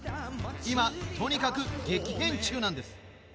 今とにかく激変中なんです